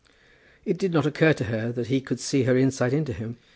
It did not occur to her that he could see her insight into him.